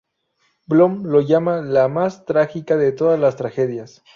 Bloom la llama "la más trágica de todas las tragedias".